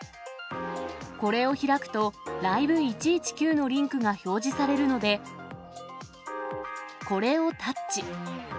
これを開くと、Ｌｉｖｅ１１９のリンクが表示されるので、これをタッチ。